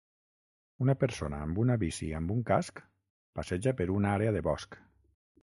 Una persona amb una bici amb un casc passeja per una àrea de bosc